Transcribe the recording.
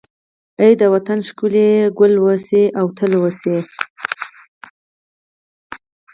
ای د وطن ښکليه، ګل اوسې او تل اوسې